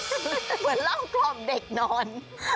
เหมือนเหล้ากล่อมเด็กนอน